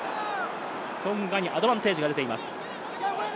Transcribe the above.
トンガにアドバンテージが出ています。